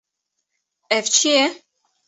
Ev çi ye?